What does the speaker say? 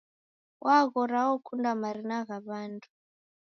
Waghora okunda marina gha w'andu.